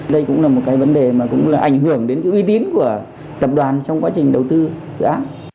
đây cũng là một vấn đề ảnh hưởng đến uy tín của tập đoàn trong quá trình đầu tư dự án